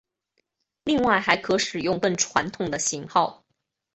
另外还可使用更传统的型号。